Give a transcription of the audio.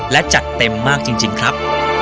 และจัดเต็มมากจริงครับ